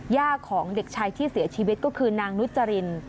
ของเด็กชายที่เสียชีวิตก็คือนางนุจริน